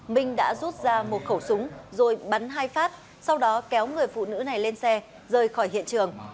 minh đã rút ra một khẩu súng rồi bắn hai phát sau đó kéo người phụ nữ này lên xe rời khỏi hiện trường